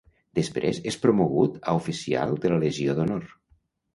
Després és promogut a oficial de la Legió d'Honor.